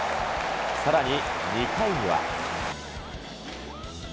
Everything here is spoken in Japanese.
さらに２回には。